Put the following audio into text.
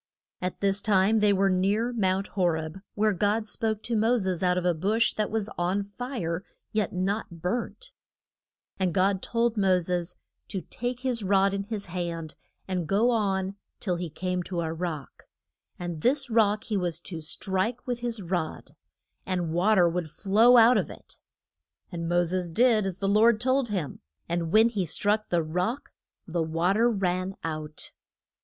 At this time they were near Mount Ho reb, where God spoke to Mo ses out of a bush that was on fire, yet not burnt. [Illustration: MO SES AND THE TA BLES OF THE LAW.] And God told Mo ses to take his rod in his hand and go on till he came to a rock. And this rock he was to strike with his rod, and wa ter would flow out of it. And Mo ses did as the Lord told him, and when he struck the rock the wa ter ran out.